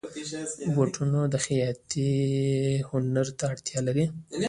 بوټونه د خیاطۍ هنر ته اړتیا لري.